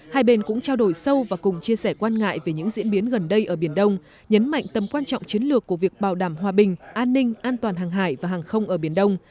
hai bên cũng trao đổi sâu và cùng chia sẻ quan ngại về những diễn biến gần đây ở biển đông nhấn mạnh tầm quan trọng chiến lược của việc bảo đảm hòa bình an ninh an toàn hàng hải và hàng không ở biển đông